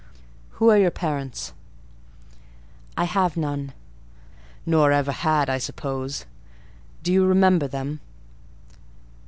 Who are your parents?" "I have none." "Nor ever had, I suppose: do you remember them?"